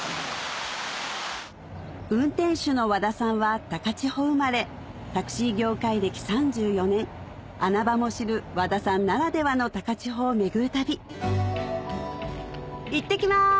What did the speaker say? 運転手の和田さんは高千穂生まれタクシー業界歴３４年穴場も知る和田さんならではの高千穂を巡る旅いってきます